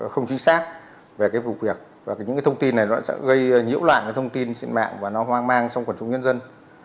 không chính xác về cái vụ việc và những cái thông tin này nó sẽ gây nhiễu loạn thông tin trên mạng và nó hoang mang trong quần chúng nhân dân